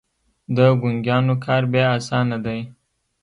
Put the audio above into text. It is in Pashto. د ګونګيانو کار بيا اسانه دی.